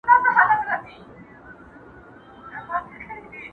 قلندر ولاړ وو خوله يې ښورېدله٫